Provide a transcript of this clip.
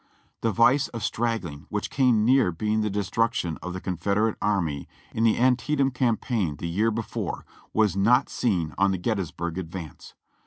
The vice of straggling, which came near being the destruction of the Confederate army in the Antietam Campaign the year be fore, was not seen on the Gettysburg advance.